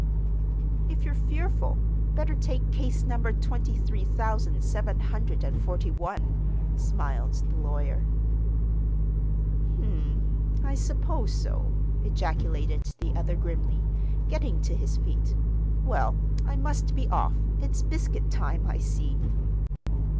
"If you're fearful, better take Case number twenty three thousand seven hundred and forty one," smiled the lawyer. "Hm m; I suppose so," ejaculated the other grimly, getting to his feet. "Well, I must be off. It's biscuit time, I see."